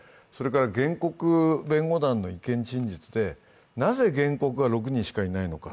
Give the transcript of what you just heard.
原告弁護団の意見陳述でなぜ原告が６人しかいないのか